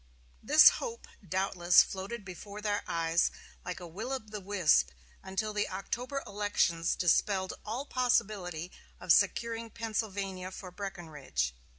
This hope doubtless floated before their eyes like a will o' the wisp until the October elections dispelled all possibility of securing Pennsylvania for Breckinridge.